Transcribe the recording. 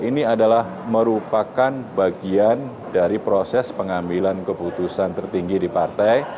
ini adalah merupakan bagian dari proses pengambilan keputusan tertinggi di partai